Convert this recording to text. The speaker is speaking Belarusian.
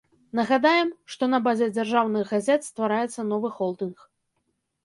Нагадаем, што на базе дзяржаўных газет ствараецца новы холдынг.